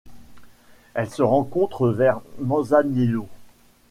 Elle se rencontre vers Manzanillo.